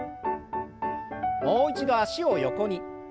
もう一度脚を横に。